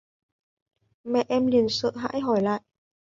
Mẹ em liền sợ hãi hỏi lại